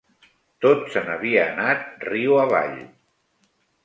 Tot se'n havia anat riu avall